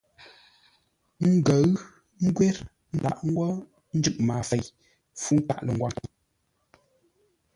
Ngəʉ ə́ ngwér ńdaghʼ ńgwó ńjǔ maafei-fú-nkâʼ-lə̂-ngwâŋ.